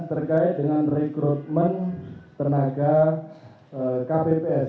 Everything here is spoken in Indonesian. terkait dengan rekrutmen tenaga kpps